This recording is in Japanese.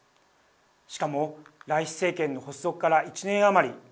しかも、ライシ政権の発足から１年余り。